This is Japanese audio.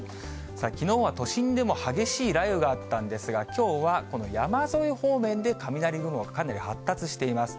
きのうは都心でも激しい雷雨があったんですが、きょうは、この山沿い方面で雷雲がかなり発達しています。